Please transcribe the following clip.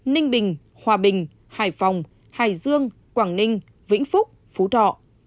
ninh bình hòa bình hải phòng hải dương quảng ninh vĩnh phúc phú thọ